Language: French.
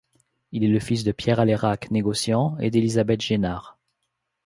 Il est le fils de Pierre Alayrac, négociant, et d'Elisabeth Jénart.